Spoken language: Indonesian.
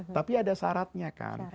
tapi ada syaratnya kan